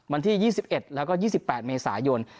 วันที่ยี่สิบเอ็ดแล้วก็ยี่สิบแปดเมษายน